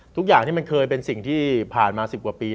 ทุกอย่างที่มันเคยเป็นสิ่งที่ผ่านมา๑๐กว่าปี